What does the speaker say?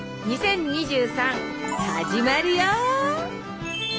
始まるよ！